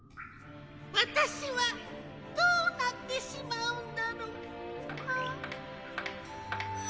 わたしはどうなってしまうんだろう？ああ。